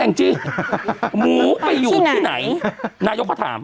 จริงหมูไปอยู่ที่ไหนนายกเขาถาม